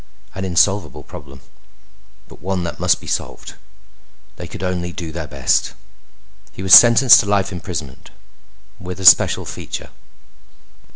An insolvable problem, but one that must be solved. They could only do their best. He was sentenced to life imprisonment, with a special feature.